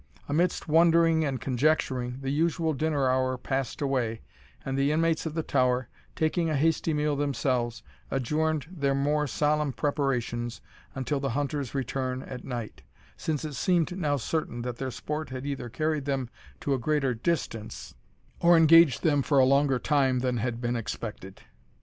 Amidst wondering and conjecturing, the usual dinner hour passed long away; and the inmates of the tower, taking a hasty meal themselves, adjourned their more solemn preparations until the hunters' return at night, since it seemed now certain that their sport had either carried them to a greater distance, or engaged them for a longer time than had been expected.